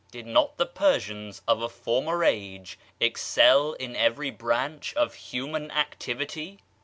Did not the Persians of a former age excel in every branch of human activity?